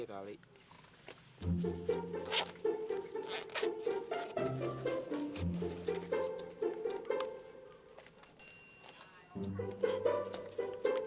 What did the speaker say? ya kita bisa ke rumah